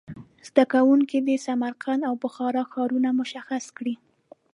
زده کوونکي دې سمرقند او بخارا ښارونه مشخص کړي.